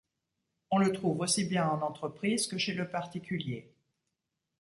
On le trouve aussi bien en entreprise que chez le particulier.